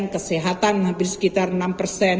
kesehatan hampir sekitar enam persen